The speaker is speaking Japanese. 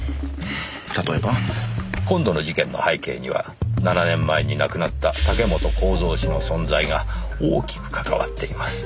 たとえば？今度の事件の背景には７年前に亡くなった武本公蔵氏の存在が大きくかかわっています。